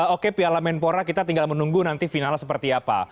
oke piala menpora kita tinggal menunggu nanti finalnya seperti apa